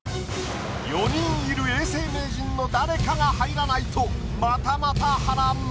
４人いる永世名人の誰かが入らないとまたまた波乱。